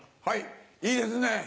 はいいいですね。